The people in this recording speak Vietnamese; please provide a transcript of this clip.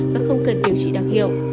và không cần điều trị đặc hiệu